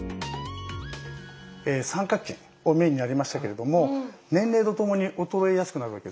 三角筋をメインにやりましたけれども年齢とともに衰えやすくなるわけですね。